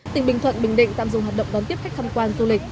tỉnh bình thuận bình định tạm dừng hoạt động đón tiếp khách tham quan du lịch